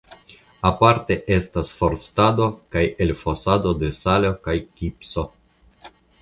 Aparte estas forstado kaj elfosado de salo kaj gipso.